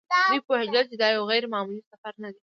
دوی پوهېدل چې دا یو غیر معمولي سفر نه دی.